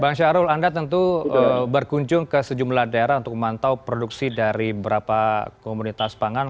bang syahrul anda tentu berkunjung ke sejumlah daerah untuk memantau produksi dari beberapa komunitas pangan